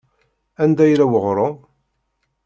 Anda yella weɣṛum?